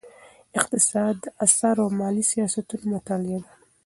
اقتصاد د اسعارو او مالي سیاستونو مطالعه ده.